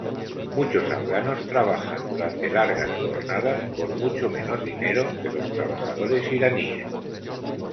Muchos afganos trabajan durante largas jornadas por mucho menos dinero que los trabajadores iraníes.